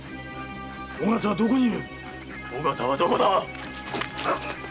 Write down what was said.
尾形はどこにいる⁉尾形はどこだ！